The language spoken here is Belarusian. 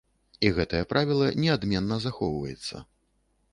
І гэтае правіла неадменна захоўваецца.